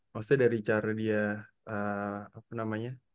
maksudnya dari cara dia apa namanya